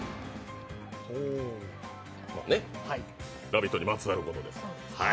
「ラヴィット！」にまつわることですから。